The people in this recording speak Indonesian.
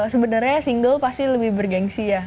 sebenarnya single pasti lebih bergensi ya